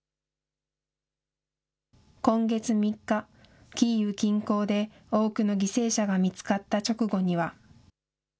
今月３日、キーウ近郊で多くの犠牲者が見つかった直後には。